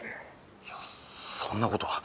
いやそんなことは。